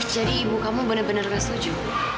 jadi ibu kamu benar benar gak setuju